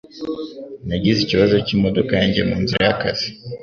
Nagize ikibazo cyimodoka yanjye munzira y'akazi.